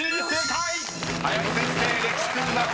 ［正解！